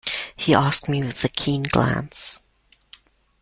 he asked me with a keen glance.